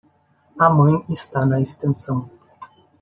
A mãe está na extensão.